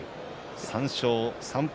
３勝３敗